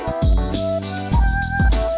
ke toilet nggak